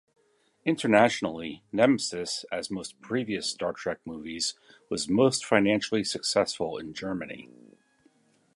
Internationally "Nemesis", as most previous "Star Trek" movies, was most financially successful in Germany.